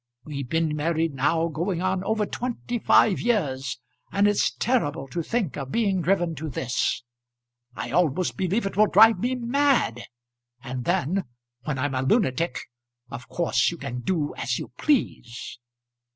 We've been married now going on over twenty five years, and it's terrible to think of being driven to this. I almost believe it will drive me mad, and then, when I'm a lunatic, of course you can do as you please.